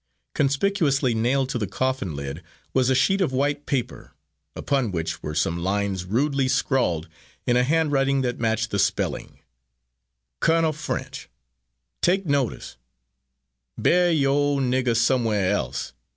Conspicuously nailed to the coffin lid was a sheet of white paper, upon which were some lines rudely scrawled in a handwriting that matched the spelling: Kurnell French: _Take notis. Berry yore ole nigger somewhar else.